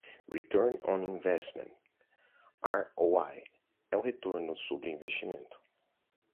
Return on Investment (ROI) é o retorno sobre o investimento.